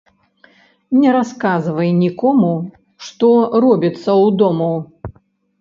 Не расказвай нiкому, што робiцца ўдому